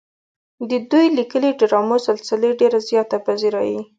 د دوي ليکلې ډرامو سلسلې ډېره زياته پذيرائي